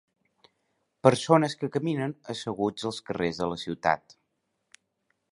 persones que caminen asseguts als carrers de la ciutat.